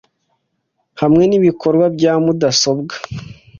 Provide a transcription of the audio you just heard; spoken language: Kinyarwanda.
hamwe nibikorwa bya mudasobwa